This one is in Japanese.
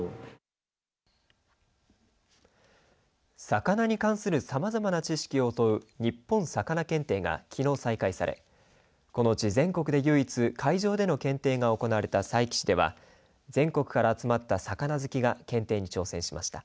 魚に関するさまざまな知識を問う日本さかな検定がきのう再開されこのうち全国で唯一会場での検定が行われた佐伯市では全国から集まった魚好きが検定に挑戦しました。